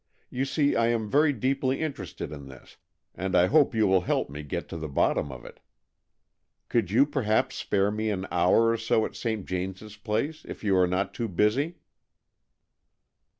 You see I am very deeply interested in this, and I hope 'you will help me to get to the bottom of it. Could you perhaps spare me an hour or so at St. James's Place, if you are not to© busy?"